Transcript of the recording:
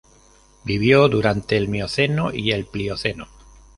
Vivió durante el Mioceno y el Plioceno.